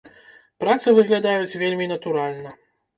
Працы выглядаюць вельмі натуральна.